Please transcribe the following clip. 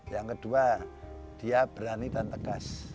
yang kedua dia berani dan tegas